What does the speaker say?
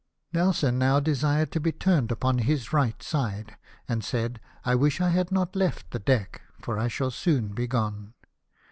DEATH. 319 Nelson now desired to be turned upon his right side, and said, " I wish I had not left the deck, for I shall soon be gone."